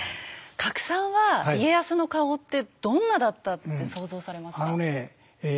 加来さんは家康の顔ってどんなだったって想像されますか？